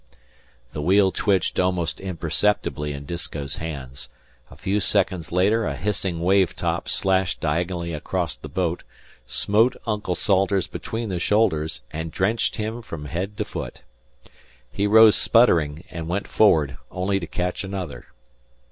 The wheel twitched almost imperceptibly in Disko's hands. A few seconds later a hissing wave top slashed diagonally across the boat, smote Uncle Salters between the shoulders, and drenched him from head to foot. He rose sputtering, and went forward only to catch another.